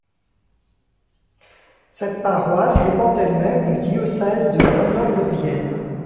Cette paroisse dépend elle-même du diocèse de Grenoble-Vienne.